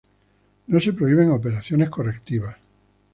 No se prohíben operaciones correctivas.